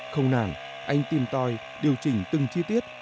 không nản anh tìm tòi điều chỉnh từng chi tiết